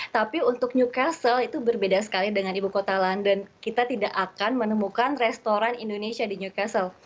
tapi untuk newcastle itu berbeda sekali dengan ibu kota london kita tidak akan menemukan restoran indonesia di newcastle